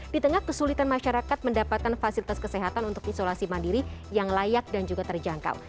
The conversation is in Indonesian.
di tengah kesulitan masyarakat mendapatkan fasilitas kesehatan untuk isolasi mandiri yang layak dan juga terjangkau